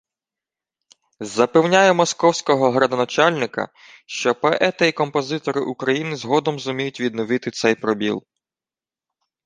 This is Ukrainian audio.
Запевняю московського градоначальника, що поети і композитори України згодом зуміють відновити цей пробіл